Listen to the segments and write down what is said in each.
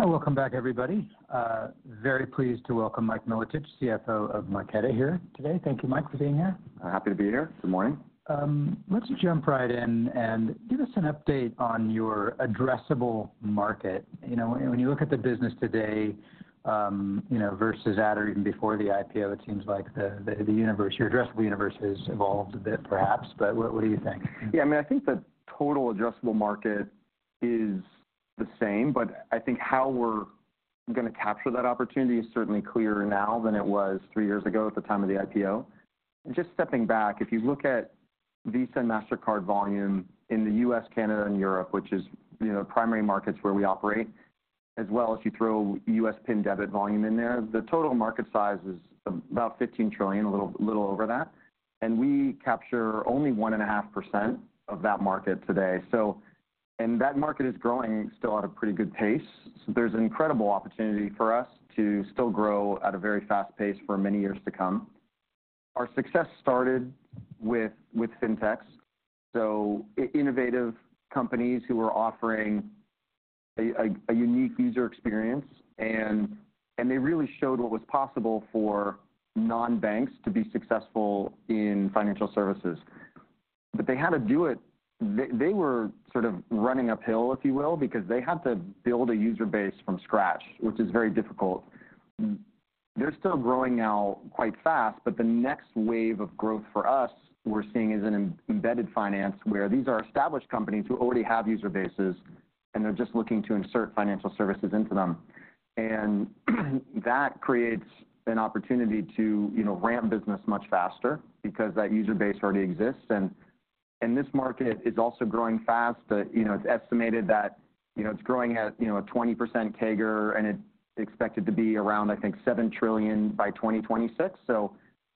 Hi, welcome back, everybody. Very pleased to welcome Mike Milotich, CFO of Marqeta here today. Thank you, Mike, for being here. Happy to be here. Good morning. Let's jump right in and give us an update on your addressable market. When you look at the business today, versus at or even before the IPO, it seems like the, the universe, your addressable universe has evolved a bit, perhaps, but what do you think? Yeah, The total addressable market is the same, but how we're going to capture that opportunity is certainly clearer now than it was three years ago at the time of the IPO. Just stepping back, if you look at Visa and Mastercard volume in the U.S., Canada, and Europe, which is primary markets where we operate, as well as you throw U.S. PIN debit volume in there, the total market size is about $15 trillion, a little over that. We capture only 1.5% of that market today. That market is growing still at a pretty good pace. There's an incredible opportunity for us to still grow at a very fast pace for many years to come. Our success started with fintechs. Innovative companies who are offering a unique user experience, and they really showed what was possible for non-banks to be successful in financial services. They had to do it. They were sort of running uphill, because they had to build a user base from scratch, which is very difficult. They're still growing now quite fast, but the next wave of growth for us, we're seeing, is in embedded finance, where these are established companies who already have user bases, and they're just looking to insert financial services into them. That creates an opportunity to ramp business much faster because that user base already exists. This market is also growing fast, but it's estimated that it's growing at a 20% CAGR, and it's expected to be around, $7 trillion by 2026.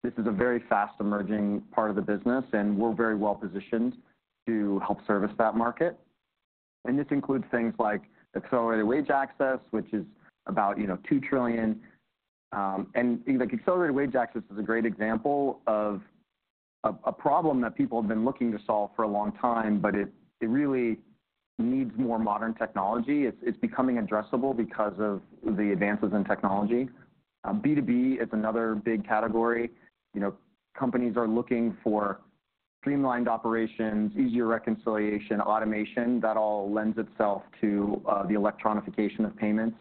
This is a very fast-emerging part of the business, and we're very well-positioned to help service that market. This includes things like accelerated wage access, which is about, you know, $2 trillion. Accelerated wage access is a great example of a problem that people have been looking to solve for a long time, but it really needs more modern technology. It's becoming addressable because of the advances in technology. B2B is another big category. Companies are looking for streamlined operations, easier reconciliation, automation. That all lends itself to the electronification of payments.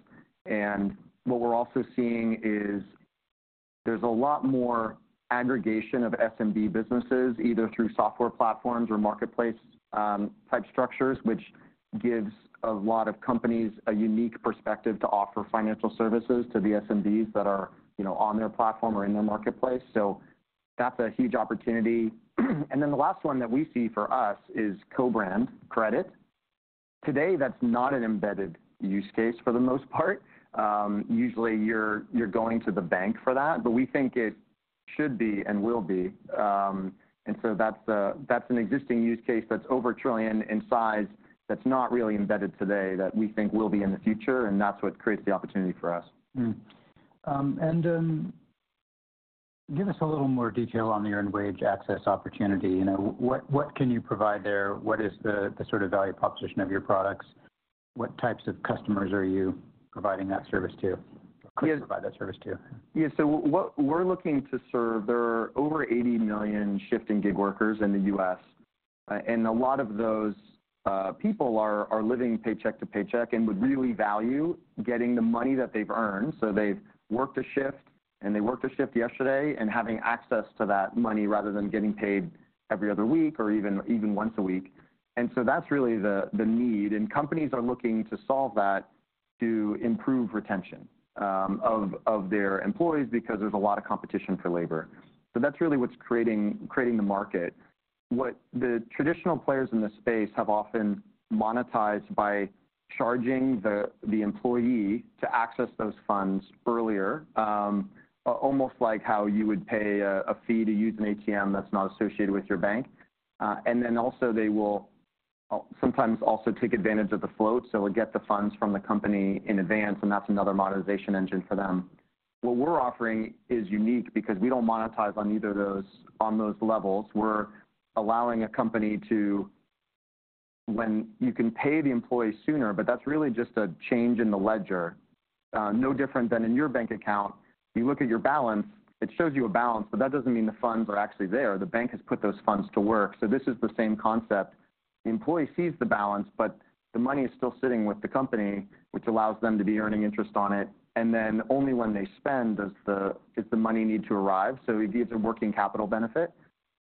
What we're also seeing is there's a lot more aggregation of SMB businesses, either through software platforms or marketplace type structures, which gives a lot of companies a unique perspective to offer financial services to the SMBs that are on their platform or in their marketplace. That's a huge opportunity. Then the last one that we see for us is co-brand credit. Today, that's not an embedded use case for the most part. Usually, you're going to the bank for that, but we think it should be and will be. That's an existing use case that's over $1 trillion in size, that's not really embedded today, that we think will be in the future, and that's what creates the opportunity for us. Give us a little more detail on the earned wage access opportunity. What can you provide there? What is the sort of value proposition of your products? What types of customers are you providing that service to? Yeah. Provide that service to? Yeah, so what we're looking to serve, there are over 80 million shift and gig workers in the U.S. A lot of those people are living paycheck to paycheck and would really value getting the money that they've earned. They've worked a shift, and they worked a shift yesterday, and having access to that money rather than getting paid every other week or even once a week. That's really the need. Companies are looking to solve that to improve retention of their employees, because there's a lot of competition for labor. That's really what's creating the market. What the traditional players in this space have often monetized by charging the employee to access those funds earlier, almost like how you would pay a fee to use an ATM that's not associated with your bank. Then they will sometimes take advantage of the float, so would get the funds from the company in advance, and that's another monetization engine for them. What we're offering is unique because we don't monetize on either of those, on those levels. We're allowing a company to. When you can pay the employee sooner, but that's really just a change in the ledger, no different than in your bank account. You look at your balance, it shows you a balance, but that doesn't mean the funds are actually there. The bank has put those funds to work. This is the same concept. The employee sees the balance, but the money is still sitting with the company, which allows them to be earning interest on it. Then only when they spend does the money need to arrive. It gives a working capital benefit,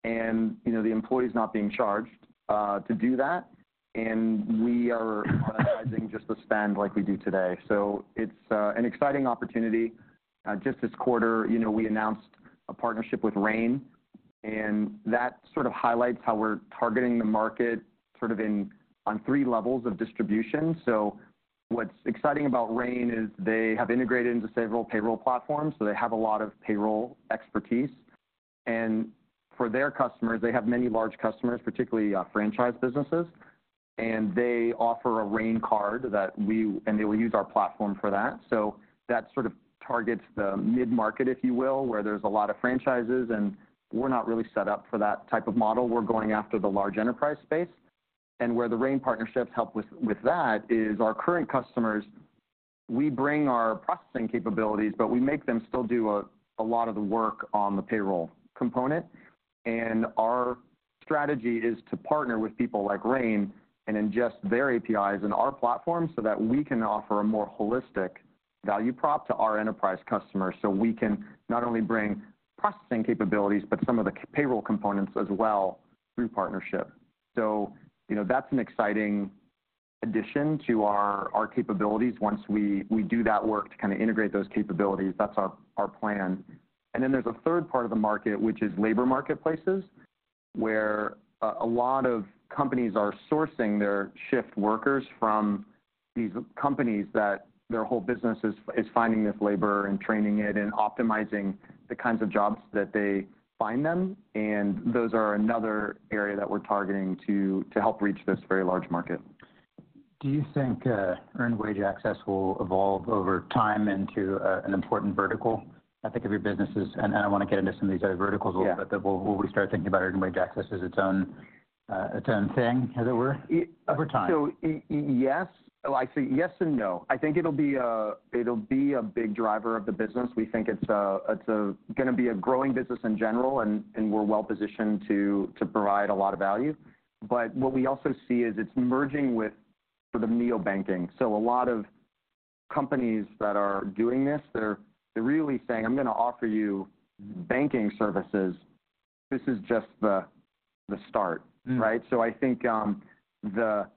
and the employee is not being charged, to do that, and we are monetizing just the spend like we do today. It's, an exciting opportunity. Just this quarter, we announced a partnership with Rain, and that sort of highlights how we're targeting the market sort of in, on three levels of distribution. What's exciting about Rain is they have integrated into several payroll platforms, so they have a lot of payroll expertise. For their customers, they have many large customers, particularly, franchise businesses, and they offer a Rain Card and they will use our platform for that. That sort of targets the mid-market, if you will, where there's a lot of franchises, and we're not really set up for that type of model. We're going after the large enterprise space. Where the Rain partnership help with that is our current customers we bring our processing capabilities, but we make them still do a lot of the work on the payroll component. Our strategy is to partner with people like Rain, and ingest their APIs in our platform, so that we can offer a more holistic value prop to our enterprise customers. We can not only bring processing capabilities, but some of the payroll components as well through partnership. That's an exciting addition to our capabilities once we do that work to kind of integrate those capabilities. That's our plan. Then there's a third part of the market, which is labor marketplaces, where a lot of companies are sourcing their shift workers from these companies that their whole business is finding this labor and training it, and optimizing the kinds of jobs that they find them. Those are another area that we're targeting to help reach this very large market. Do you think, earned wage access will evolve over time into a, an important vertical? Of your businesses, and then I want to get into some of these other verticals a little bit. Yeah. Will we start thinking about earned wage access as its own, its own thing, as it were, over time? Yes. I'd say yes and no. It'll be a big driver of the business. We think it's gonna be a growing business in general, and we're well positioned to provide a lot of value. Wwhat we also see is it's merging with sort of neobanking. A lot of companies that are doing this, they're really saying, "I'm gonna offer you banking services." This is just the start, right? Mm-hmm.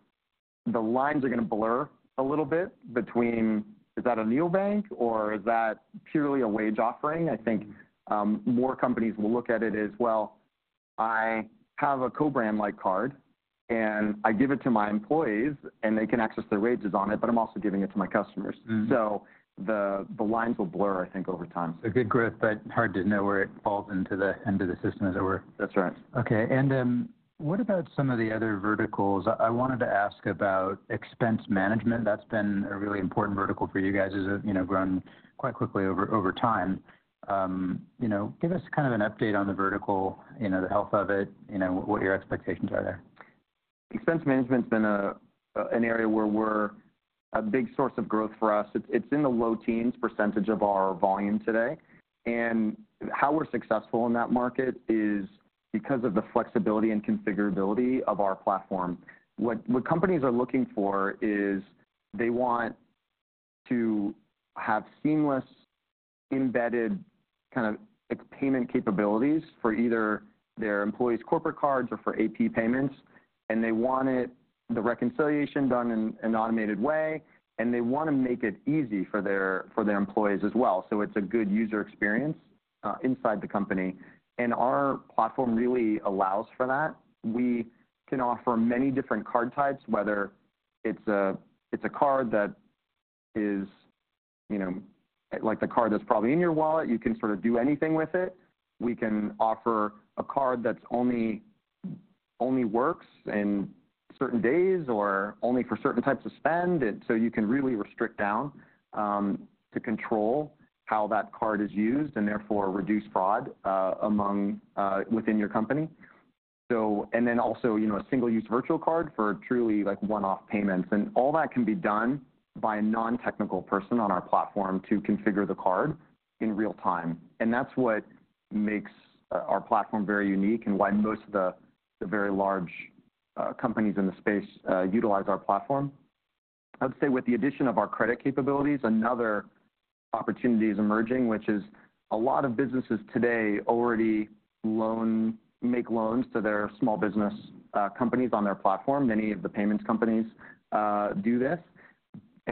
The lines are gonna blur a little bit between, is that a neobank, or is that purely a wage offering? More companies will look at it as, "Well, I have a co-brand like card, and I give it to my employees, and they can access their wages on it, but I'm also giving it to my customers. Mm-hmm. The lines will blur over time. Good growth, but hard to know where it falls into the end of the system, as it were? That's right. Okay.What about some of the other verticals? I wanted to ask about expense management. That's been a really important vertical for you guys. It's grown quite quickly over time. Give us kind of an update on the vertical, the health of it? What your expectations are there? Expense management's been an area where we're a big source of growth for us. It's in the low teens percentage of our volume today. How we're successful in that market is because of the flexibility and configurability of our platform. What companies are looking for is they want to have seamless, embedded, kind of like payment capabilities for either their employees' corporate cards or for AP payments, and they want it, the reconciliation done in an automated way, and they want to make it easy for their employees as well. It's a good user experience inside the company, and our platform really allows for that. We can offer many different card types, whether it's a card that is, like the card that's probably in your wallet, you can sort of do anything with it. We can offer a card that's only, only works in certain days or only for certain types of spend. You can really restrict down to control how that card is used, and therefore reduce fraud among within your company. A single-use virtual card for truly like one-off payments. All that can be done by a non-technical person on our platform to configure the card in real time. AThat's what makes our platform very unique, and why most of the very large companies in the space utilize our platform. I'd say with the addition of our credit capabilities, another opportunity is emerging, which is a lot of businesses today already make loans to their small business companies on their platform. Many of the payments companies do this.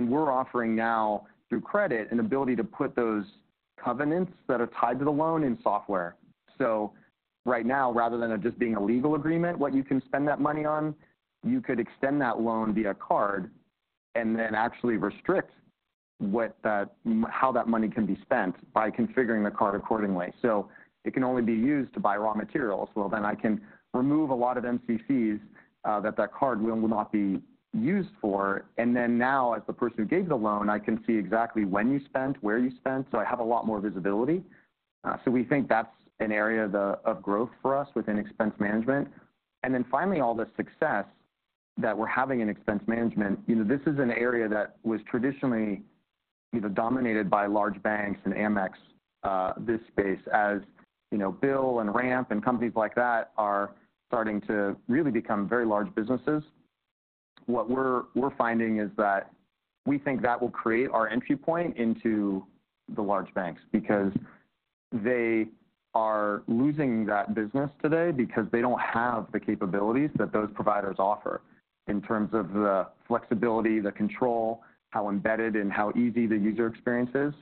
We're offering now, through credit, an ability to put those covenants that are tied to the loan in software. Right now, rather than it just being a legal agreement, what you can spend that money on, you could extend that loan via card, and then actually restrict what that, how that money can be spent by configuring the card accordingly. It can only be used to buy raw materials. Well, then I can remove a lot of MCCs that card will not be used for. Now, as the person who gave the loan, I can see exactly when you spent, where you spent, so I have a lot more visibility. We think that's an area of the growth for us within expense management. Finally, all the success that we're having in expense management. This is an area that was traditionally either dominated by large banks and Amex, this space. Bill and Ramp, and companies like that, are starting to really become very large businesses. What we're, we're finding is that we think that will create our entry point into the large banks. They are losing that business today because they don't have the capabilities that those providers offer, in terms of the flexibility, the control, how embedded and how easy the user experience is.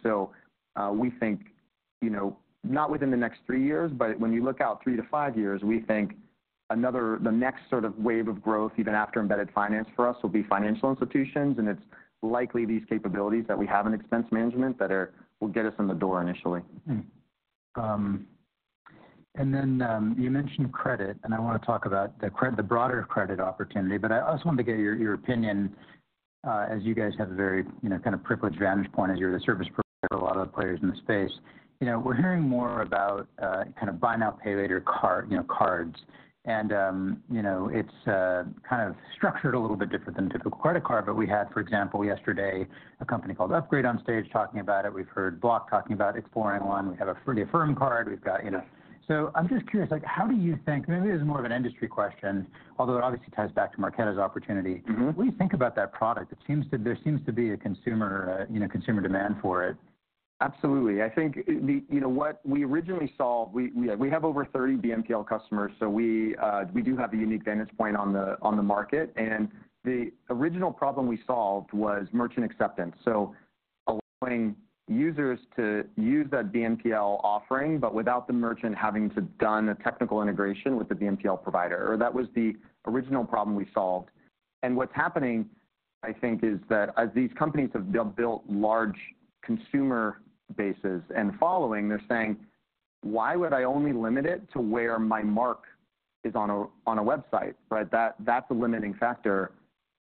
Not within the next three years, but when you look out 3 years-5 years, we think another, the next sort of wave of growth, even after embedded finance for us, will be financial institutions. It's likely these capabilities that we have in expense management will get us in the door initially. You mentioned credit, and I want to talk about the credit, the broader credit opportunity. I also wanted to get your, your opinion, as you guys have a very kind of privileged vantage point, as you're the service provider for a lot of the players in the space. We're hearing more about, kind of buy now, pay later cards. Cards, it's kind of structured a little bit different than typical credit card. We had, for example, yesterday, a company called Upgrade on stage talking about it. We've heard Block talking about exploring one. We have a Affirm Card. How do you think, maybe this is more of an industry question, although it obviously ties back to Marqeta's opportunity? Mm-hmm. What do you think about that product? There seems to be a consumer demand for it? Absolutely. What we originally solved, we have over 30 BNPL customers, so we do have a unique vantage point on the market. The original problem we solved was merchant acceptance. Allowing users to use that BNPL offering, but without the merchant having to do a technical integration with the BNPL provider, that was the original problem we solved. What's happening, is that as these companies have built large consumer bases and following, they're saying, "Why would I only limit it to where my mark is on a website, right? That's a limiting factor.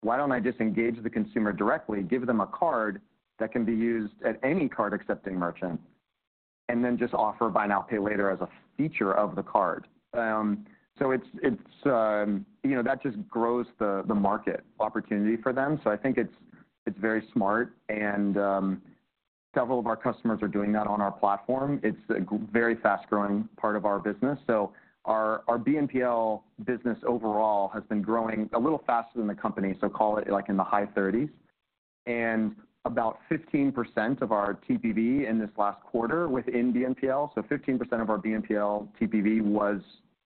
Why don't I just engage the consumer directly, give them a card that can be used at any card-accepting merchant, and then just offer buy now, pay later as a feature of the card?" That just grows the market opportunity for them. It's very smart, and several of our customers are doing that on our platform. It's a very fast-growing part of our business. Our BNPL business overall has been growing a little faster than the company, so call it, like, in the high 30s. About 15% of our TPV in this last quarter was in BNPL, so 15% of our BNPL TPV was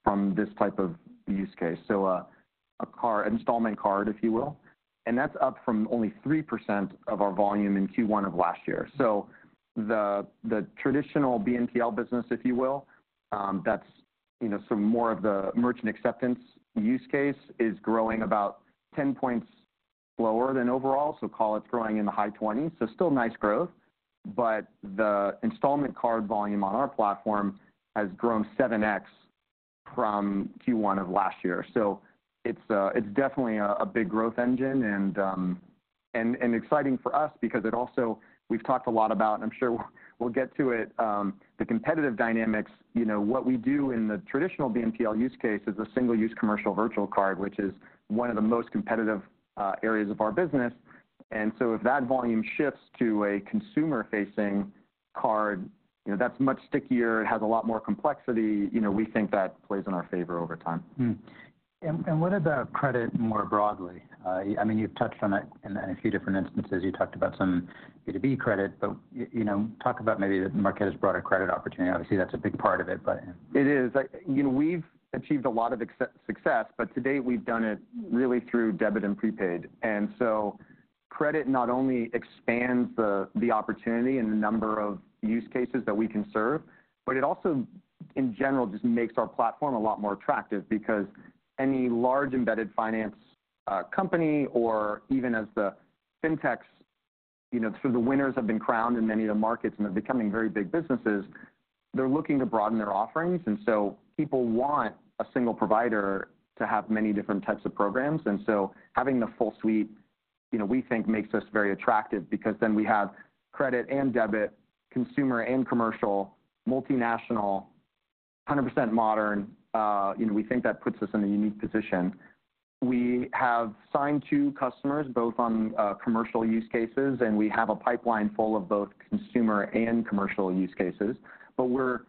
from this type of use case, so an installment card, if you will. That's up from only 3% of our volume in Q1 of last year. The traditional BNPL business, if you will, that's so more of the merchant acceptance use case, is growing about 10 points slower than overall, so call it growing in the high 20s%. Still nice growth, but the installment card volume on our platform has grown 7x from Q1 of last year. It's definitely a big growth engine, and, and exciting for us because it also. We've talked a lot about, and I'm sure we'll get to it, the competitive dynamics. YWhat we do in the traditional BNPL use case is a single-use commercial virtual card, which is one of the most competitive areas of our business. If that volume shifts to a consumer-facing card that's much stickier, it has a lot more complexity we think that plays in our favor over time. What about credit more broadly? You've touched on it in a few different instances. You talked about some B2B credit, but talk about maybe Marqeta's broader credit opportunity. Obviously, that's a big part of it, but- It is. Like we've achieved a lot of success, but to date, we've done it really through debit and prepaid. Credit not only expands the opportunity and the number of use cases that we can serve, but it also, in general, just makes our platform a lot more attractive. Any large embedded finance company or even as the fintechs so the winners have been crowned in many of the markets, and they're becoming very big businesses. They're looking to broaden their offerings, and so people want a single provider to have many different types of programs. Having the full suite, we think makes us very attractive because then we have credit and debit, consumer and commercial, multinational, hundred percent modern we think that puts us in a unique position. We have signed two customers, both on commercial use cases, and we have a pipeline full of both consumer and commercial use cases. We're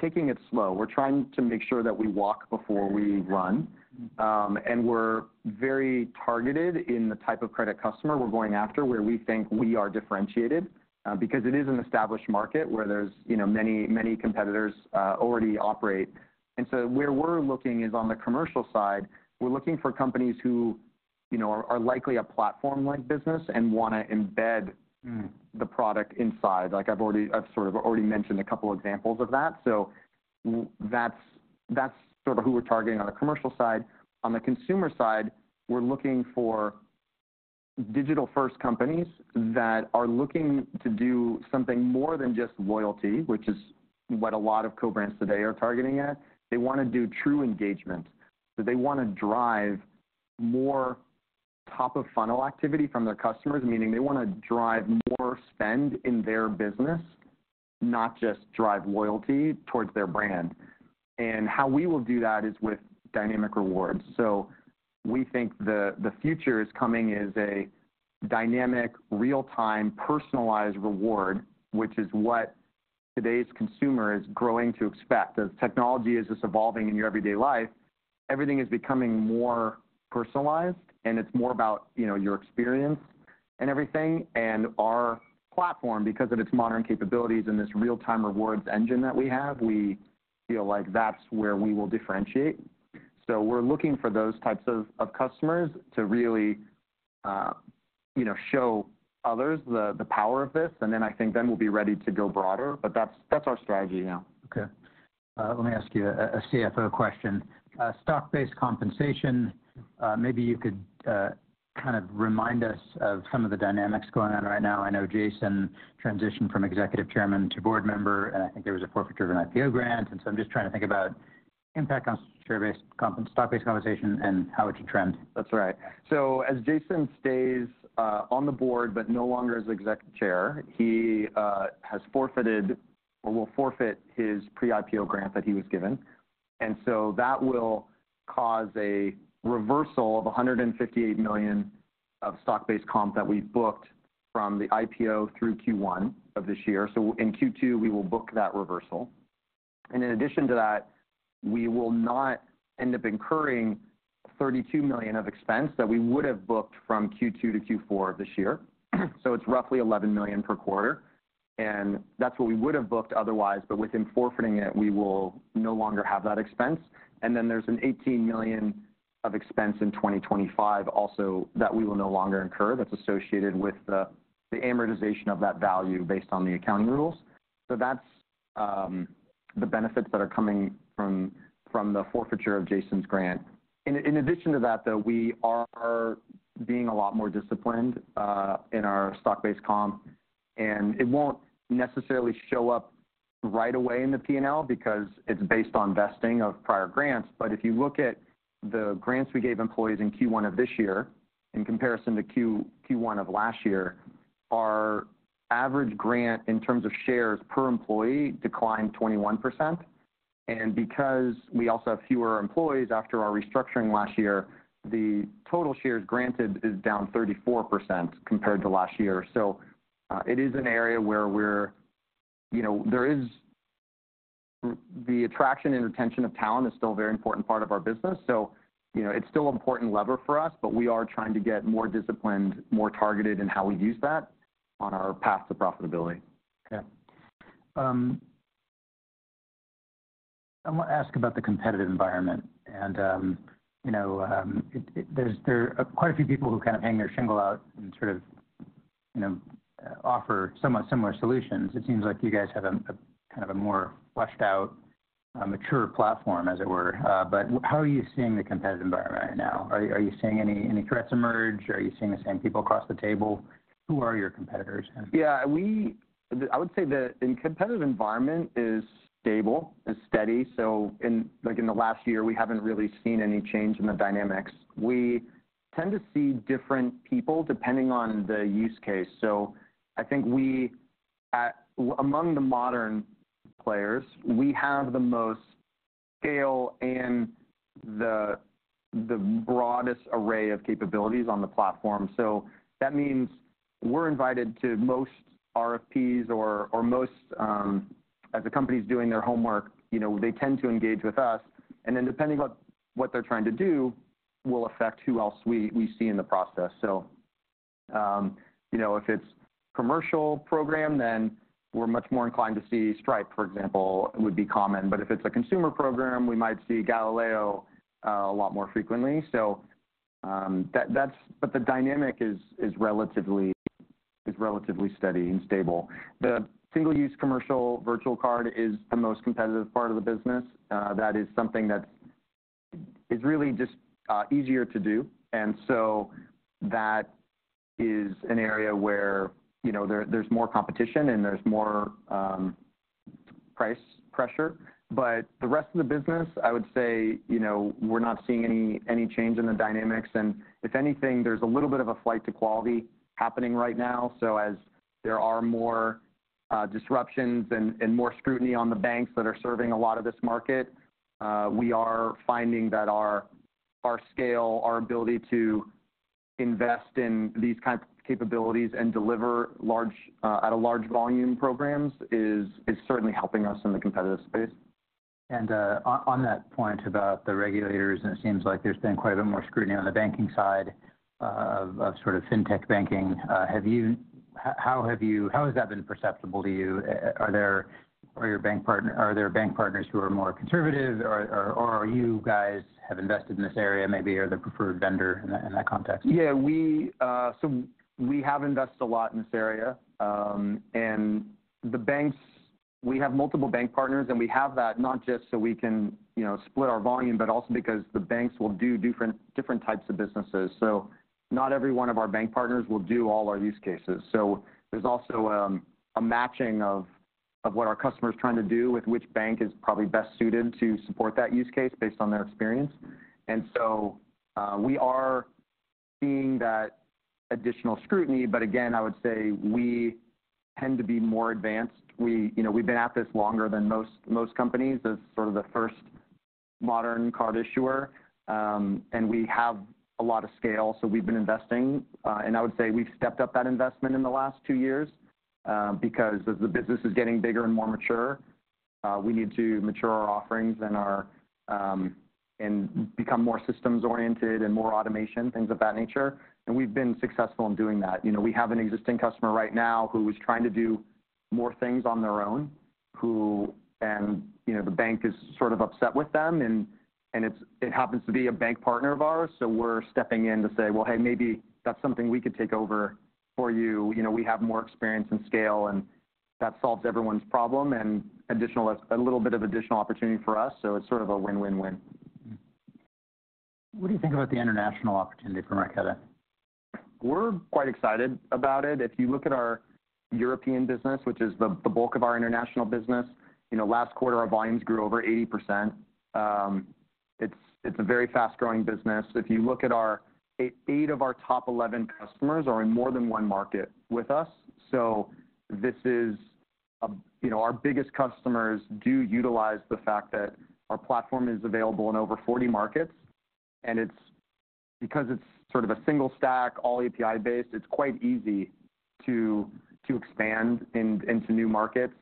taking it slow. We're trying to make sure that we walk before we run. We're very targeted in the type of credit customer we're going after, where we think we are differentiated, because it is an established market, where there's many competitors, already operate. Where we're looking is on the commercial side. We're looking for companies who are likely a platform-like business and wanna embed- Mm-hmm. The product inside. Like, I've sort of already mentioned a couple examples of that, so that's sort of who we're targeting on the commercial side. On the consumer side, we're looking for digital-first companies that are looking to do something more than just loyalty, which is what a lot of co-brands today are targeting at. They wanna do true engagement. They wanna drive more top-of-funnel activity from their customers, meaning they wanna drive more spend in their business, not just drive loyalty towards their brand. How we will do that is with dynamic rewards. W think the future is coming as a dynamic, real-time, personalized reward, which is what today's consumer is growing to expect. As technology is just evolving in your everyday life, everything is becoming more personalized, and it's more about your experience and everything. Our platform, because of its modern capabilities and this real-time rewards engine that we have, we feel like that's where we will differentiate. We're looking for those types of customers to really show others the power of this, and then we'll be ready to go broader. That's our strategy now. Okay. Let me ask you a CFO question. Stock-based compensation, maybe you could kind of remind us of some of the dynamics going on right now? Jason transitioned from executive chairman to board member, and there was a forfeiture of an IPO grant. I'm just trying to think about impact on share-based comp and stock-based compensation and how it should trend? That's right. As Jason stays on the board, but no longer as executive chair, he has forfeited or will forfeit his pre-IPO grant that he was given. That will cause a reversal of $158 million of stock-based comp that we've booked from the IPO through Q1 of this year. In Q2, we will book that reversal. In addition to that, we will not end up incurring $32 million of expense that we would have booked from Q2-Q4 of this year. It's roughly $11 million per quarter, and that's what we would have booked otherwise, but with him forfeiting it, we will no longer have that expense. Then there's an $18 million of expense in 2025 also that we will no longer incur, that's associated with the amortization of that value based on the accounting rules. That's the benefits that are coming from the forfeiture of Jason's grant. In addition to that, though, we are being a lot more disciplined in our stock-based comp, and it won't necessarily show up right away in the P&L because it's based on vesting of prior grants. If you look at the grants we gave employees in Q1 of this year, in comparison to Q1 of last year, our average grant in terms of shares per employee declined 21%. We also have fewer employees after our restructuring last year, the total shares granted is down 34% compared to last year. It is an area where we're the attraction and retention of talent is still a very important part of our business. It's still an important lever for us, but we are trying to get more disciplined, more targeted in how we use that on our path to profitability. Okay. I want to ask about the competitive environment and there are quite a few people who kind of hang their shingle out and sort of offer somewhat similar solutions. It seems like you guys have a kind of a more fleshed out, a mature platform, as it were. How are you seeing the competitive environment right now? Are you seeing any threats emerge? Are you seeing the same people across the table? Who are your competitors? Yeah, I would say the competitive environment is stable and steady. In the last year, we haven't really seen any change in the dynamics. We tend to see different people depending on the use case. Among the modern players, we have the most scale and the broadest array of capabilities on the platform. That means we're invited to most RFPs or most, as the company's doing their homework, you know, they tend to engage with us. Then depending on what they're trying to do, will affect who else we, we see in the process. If it's commercial program, then we're much more inclined to see Stripe, for example, would be common. If it's a consumer program, we might see Galileo a lot more frequently. The dynamic is relatively steady and stable. The single-use commercial virtual card is the most competitive part of the business. That is something that's really just easier to do. That is an area where, there's more competition and there's more price pressure. The rest of the business, I would say, we're not seeing any change in the dynamics. If anything, there's a little bit of a flight to quality happening right now. As there are more disruptions and more scrutiny on the banks that are serving a lot of this market, we are finding that our scale, our ability to invest in these kind of capabilities and deliver large at a large volume programs is certainly helping us in the competitive space. On that point about the regulators, and it seems like there's been quite a bit more scrutiny on the banking side of sort of fintech banking, how has that been perceptible to you? Are there bank partners who are more conservative, or are you guys have invested in this area, maybe are the preferred vendor in that context? Yeah, we, so we have invested a lot in this area. The banks, we have multiple bank partners, and we have that not just so we can split our volume, but also because the banks will do different types of businesses. Not every one of our bank partners will do all our use cases. There's also a matching of what our customer is trying to do with which bank is probably best suited to support that use case based on their experience. We are seeing that additional scrutiny, but again, I would say we tend to be more advanced. We have been at this longer than most companies as sort of the first modern card issuer, and we have a lot of scale, so we've been investing. I would say we've stepped up that investment in the last two years, because as the business is getting bigger and more mature, we need to mature our offerings and our and become more systems-oriented and more automation, things of that nature. We've been successful in doing that. We have an existing customer right now who is trying to do more things on their own, who the bank is sort of upset with them, and it happens to be a bank partner of ours. We're stepping in to say, "Well, hey, maybe that's something we could take over for you. We have more experience and scale, and that solves everyone's problem and additional a little bit of additional opportunity for us, so it's sort of a win-win-win. What do you think about the international opportunity for Marqeta? We're quite excited about it. If you look at our European business, which is the bulk of our international business last quarter, our volumes grew over 80%. It's a very fast-growing business. If you look at our eight of our top 11 customers are in more than one market with us. This is our biggest customers do utilize the fact that our platform is available in over 40 markets, and it's because it's sort of a single stack, all API-based, it's quite easy to expand into new markets.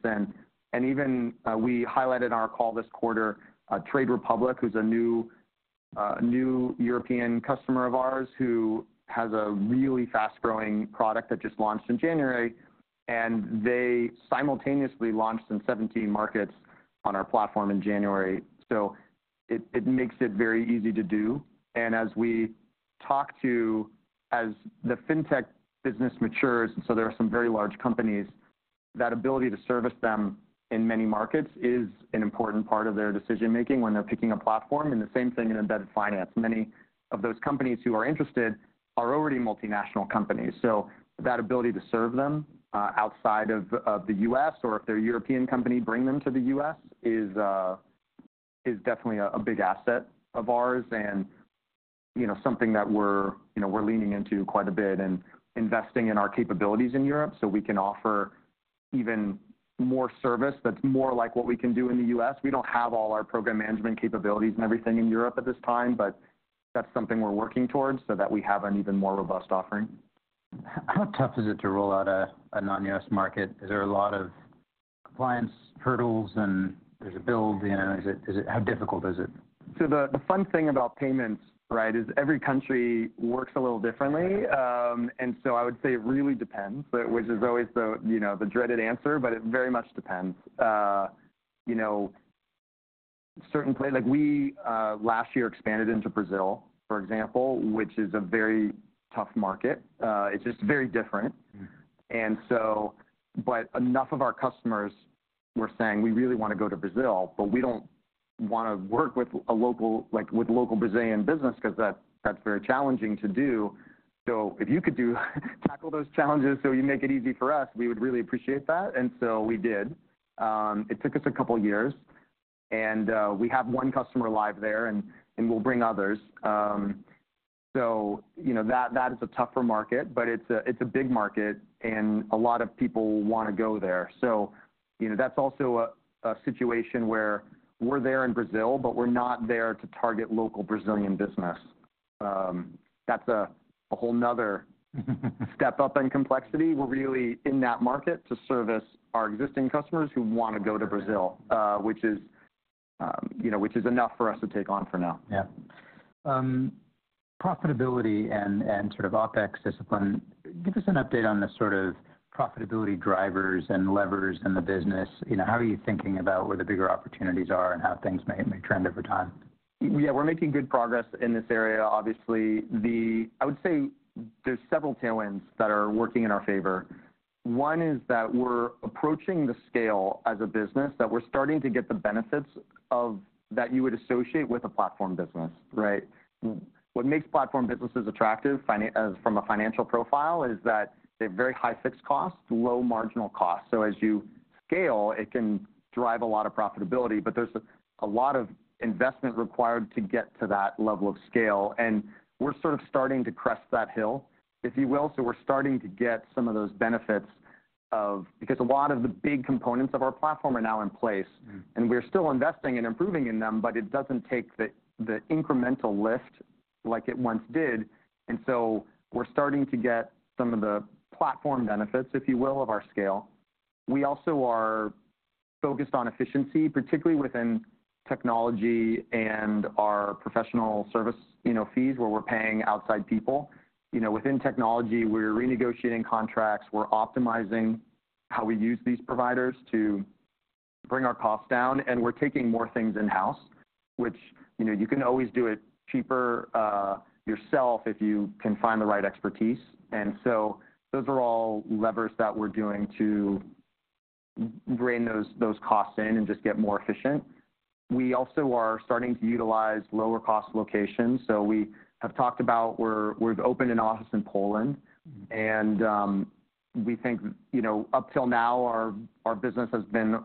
Eeven, we highlighted in our call this quarter, Trade Republic, who's a new European customer of ours, who has a really fast-growing product that just launched in January, and they simultaneously launched in 17 markets on our platform in January. It makes it very easy to do. As the fintech business matures, and so there are some very large companies, that ability to service them in many markets is an important part of their decision-making when they're picking a platform, and the same thing in embedded finance. Many of those companies who are interested are already multinational companies, so that ability to serve them outside of the U.S., or if they're a European company, bring them to the U.S., is definitely a big asset of ours and, something that we're leaning into quite a bit and investing in our capabilities in Europe, so we can offer even more service that's more like what we can do in the U.S. We don't have all our program management capabilities and everything in Europe at this time, but that's something we're working towards so that we have an even more robust offering. How tough is it to roll out a non-U.S. market? Is there a lot of compliance hurdles, and there's a build. Is it-how difficult is it? The fun thing about payments, right, is every country works a little differently. I would say it really depends, but which is always the dreaded answer, but it very much depends. Certain places like we, last year expanded into Brazil, for example, which is a very tough market. It's just very different. Mm-hmm. Enough of our customers were saying: We really want to go to Brazil, but we don't want to work with a local, like, with local Brazilian business because that's very challenging to do. If you could tackle those challenges, so you make it easy for us, we would really appreciate that. We did. It took us a couple of years, and we have one customer live there, and we'll bring others. That is a tougher market, but it's a big market, and a lot of people want to go there. That's also a situation where we're there in Brazil, but we're not there to target local Brazilian business. That's a whole another step up in complexity. We're really in that market to service our existing customers who want to go to Brazil, which is enough for us to take on for now. Yeah. Profitability and sort of OpEx discipline, give us an update on the sort of profitability drivers and levers in the business. How are you thinking about where the bigger opportunities are and how things may trend over time? Yeah, we're making good progress in this area. Obviously, the I would say there's several tailwinds that are working in our favor. One is that we're approaching the scale as a business, that we're starting to get the benefits of that you would associate with a platform business, right? What makes platform businesses attractive financial from a financial profile, is that they have very high fixed costs, low marginal costs. As you scale, it can drive a lot of profitability, but there's a, a lot of investment required to get to that level of scale, and we're sort of starting to crest that hill, if you will. We're starting to get some of those benefits of. A lot of the big components of our platform are now in place, and we're still investing and improving in them, but it doesn't take the, the incremental lift like it once did. We're starting to get some of the platform benefits, if you will, of our scale. We also are focused on efficiency, particularly within technology and our professional service, fees, where we're paying outside people. Within technology, we're renegotiating contracts, we're optimizing how we use these providers to bring our costs down, and we're taking more things in-house, which you can always do it cheaper yourself if you can find the right expertise. Those are all levers that we're doing to rein those, those costs in and just get more efficient. We also are starting to utilize lower-cost locations. We have talked about. We've opened an office in Poland, and we think up till now, our business has been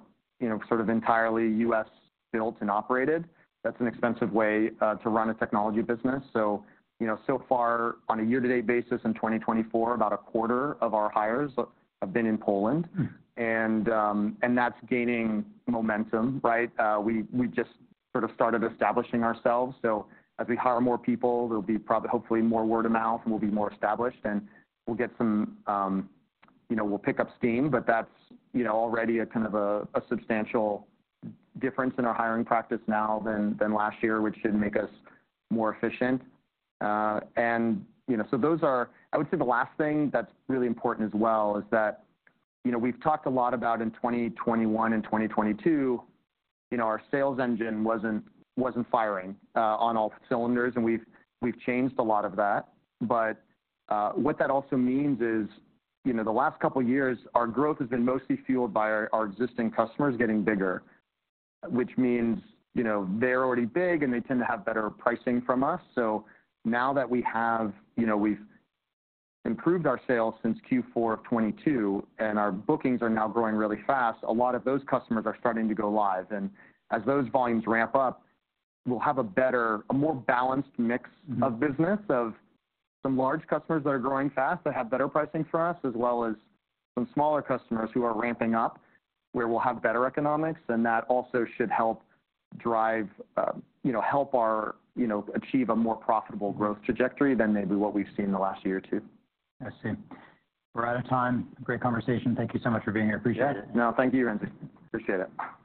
sort of entirely U.S.-built and operated. That's an expensive way to run a technology business. On a year-to-date basis in 2024, about a quarter of our hires have been in Poland. Mm-hmm. That's gaining momentum, right? We just sort of started establishing ourselves, so as we hire more people, there'll be probably, hopefully, more word of mouth, and we'll be more established, and we'll get some, we'll pick up steam. That's already kind of a substantial difference in our hiring practice now than last year, which should make us more efficient. Those are, I would say the last thing that's really important as well is that we've talked a lot about in 2021 and 2022 our sales engine wasn't firing on all cylinders, and we've changed a lot of that. What that also means is the last couple of years, our growth has been mostly fueled by our existing customers getting bigger. Which means, they're already big, and they tend to have better pricing from us. Now that we have, we've improved our sales since Q4 of 2022, and our bookings are now growing really fast, a lot of those customers are starting to go live. As those volumes ramp up, we'll have a better, a more balanced mix- Mm-hmm -of business, of some large customers that are growing fast, that have better pricing for us, as well as some smaller customers who are ramping up, where we'll have better economics, and that also should help drive achieve a more profitable growth trajectory than maybe what we've seen in the last year or two. I see. We're out of time. Great conversation. Thank you so much for being here. Appreciate it. No, thank you, Ramsey. Appreciate it.